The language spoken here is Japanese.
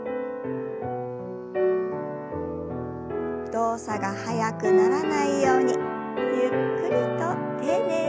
動作が速くならないようにゆっくりと丁寧に。